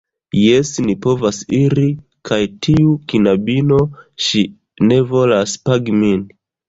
Jes, ni povas iri. Kaj tiu knabino, ŝi ne volas pagi min.